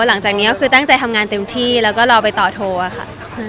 หลังจากนี้ก็คือตั้งใจทำงานเต็มที่แล้วก็รอไปต่อโทรค่ะ